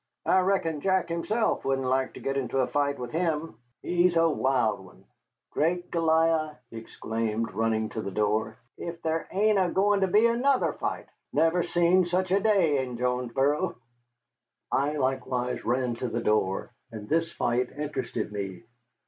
I reckon Jack himself wouldn't like to get into a fight with him. He's a wild one. Great Goliah," he exclaimed, running to the door, "ef thar ain't a goin' to be another fight! Never seed sech a day in Jonesboro." I likewise ran to the door, and this fight interested me.